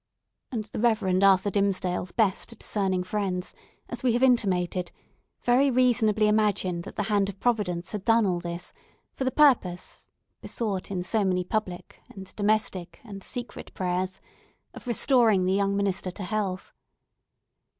And the Reverend Arthur Dimmesdale's best discerning friends, as we have intimated, very reasonably imagined that the hand of Providence had done all this for the purpose—besought in so many public and domestic and secret prayers—of restoring the young minister to health.